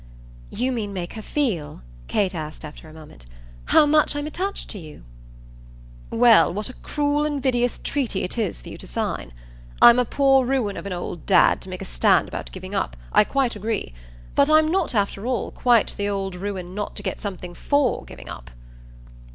"You mean make her feel," Kate asked after a moment, "how much I'm attached to you?" "Well, what a cruel invidious treaty it is for you to sign. I'm a poor ruin of an old dad to make a stand about giving up I quite agree. But I'm not, after all, quite the old ruin not to get something FOR giving up."